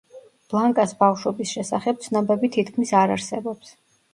ბლანკას ბავშვობის შესახებ ცნობები თითქმის არ არსებობს.